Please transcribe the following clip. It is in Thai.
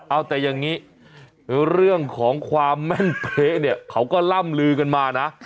เอาแต่อย่างนี้เรื่องของความแม่นเป๊ะเนี่ยเขาก็ล่ำลือกันมานะ